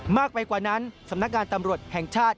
มากไปกว่านั้นสำนักงานตำรวจแห่งชาติ